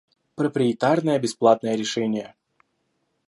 Проприетарное бесплатное решение